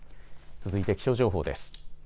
続いて気象情報です。